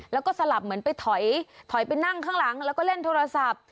แล้วก็สลับเหมือนไปถอยไปนั่งข้างหลังแล้วก็เล่นโทรศัพท์